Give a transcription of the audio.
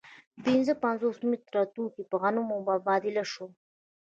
پنځه پنځوس متره ټوکر په غنمو مبادله شو